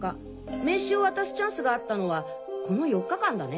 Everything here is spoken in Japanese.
名刺を渡すチャンスがあったのはこの４日間だね。